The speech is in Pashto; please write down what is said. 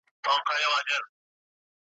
ما منلی یې په عقل کی سردار یې ,